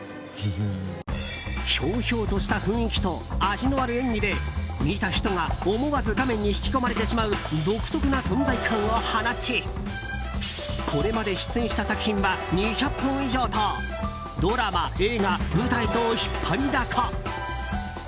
ひょうひょうとした雰囲気と味のある演技で見た人が思わず画面に引き込まれてしまう独特な存在感を放ちこれまで出演した作品は２００本以上とドラマ、映画、舞台と引っ張りだこ。